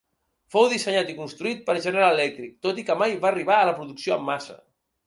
Fou dissenyat i construït per General Electric, tot i que mai va arribar a la producció en massa.